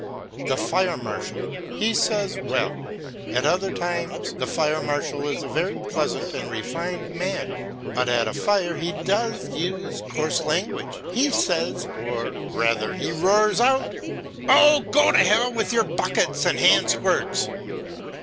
The fire marshal, he saysŌĆöwell, at other times the fire marshal is a very pleasant and refined man; but at a fire he does use coarse languageŌĆöhe says or, rather, he roars out: "Oh, go to hell with your buckets and hand squirts!"